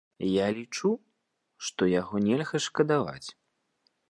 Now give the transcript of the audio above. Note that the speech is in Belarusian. Я лічу, што яго нельга шкадаваць.